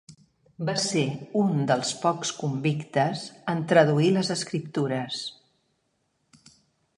Va ser un dels pocs convictes en traduir les Escriptures.